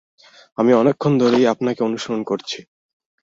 আমি অনেকক্ষণ ধরেই আপনাকে অনুসরণ করছি।